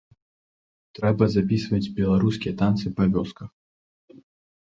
Трэба запісваць беларускія танцы па вёсках.